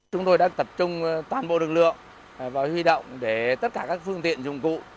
chúng tôi đã tập trung toàn bộ lực lượng và huy động để tất cả các phương tiện dụng cụ